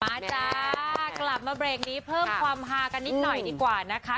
จ้ากลับมาเบรกนี้เพิ่มความฮากันนิดหน่อยดีกว่านะคะ